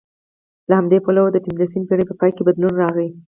له همدې پلوه د پنځلسمې پېړۍ په پای کې بدلون راغی